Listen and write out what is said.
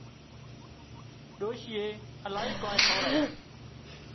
ڏوشيئي الاهي ڪانيئن کورايون